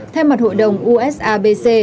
thay mặt hội đồng usabc